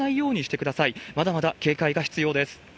まだまだ警戒が必要です。